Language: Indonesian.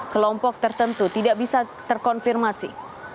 kelompok tertentu tidak bisa terkonfirmasi